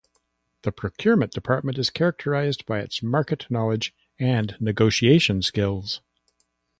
The Procurement Department is characterized by its market knowledge and negotiation skills.